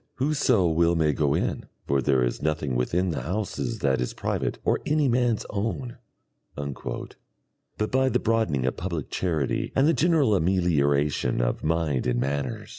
"Whoso will may go in, for there is nothing within the houses that is private or anie man's owne."] but by the broadening of public charity and the general amelioration of mind and manners.